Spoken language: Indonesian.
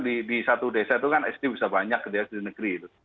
di satu desa itu kan sd bisa banyak ke desa di negeri